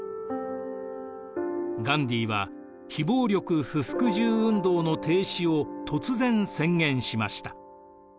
ガンディーは非暴力・不服従運動の停止を突然宣言しました。